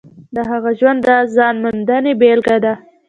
د هغه ژوند د ځان موندنې بېلګه ده.